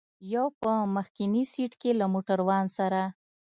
یو په مخکني سېټ کې له موټروان سره.